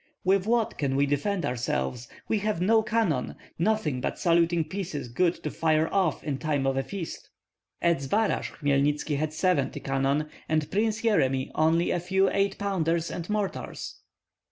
"With what can we defend ourselves? We have no cannon, nothing but saluting pieces good to fire off in time of a feast." "At Zbaraj Hmelnitski had seventy cannon, and Prince Yeremi only a few eight pounders and mortars."